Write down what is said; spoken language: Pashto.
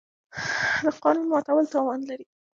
د قانون ماتول تاوان لري.